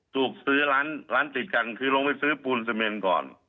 ถูกซื้อร้านร้านติดกันคือลงไปซื้อปูนเสมก่อน